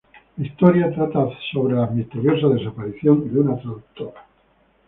La historia trata acerca de la misteriosa desaparición de una traductora.